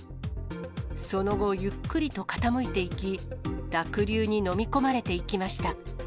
その後、ゆっくりと傾いていき、濁流に飲み込まれていきました。